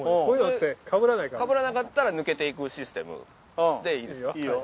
これかぶらなかったら抜けていくシステムでいいですか？